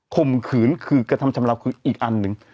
ข่มขืนคือกระทำชำราวคืออีกอันหนึ่ง